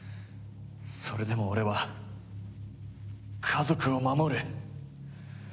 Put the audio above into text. それでも俺は家族を守る。